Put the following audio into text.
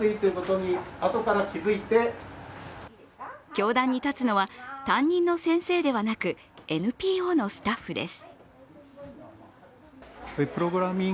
教壇に立つのは担任の先生ではなく、ＮＰＯのスタッフです。